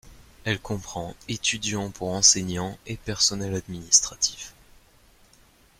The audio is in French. Elle comprend étudiants pour enseignants et personnels administratifs.